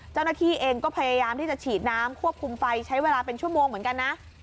เจ้าหน้าที่เองก็พยายามที่จะฉีดน้ำควบคุมไฟใช้เวลาเป็นชั่วโมงเหมือนกันนะ